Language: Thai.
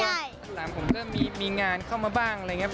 หลังผมก็มีงานเข้ามาบ้างอะไรอย่างนี้